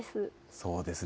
そうですね。